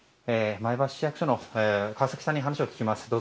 前橋市役所の川崎さんに話を聞きます。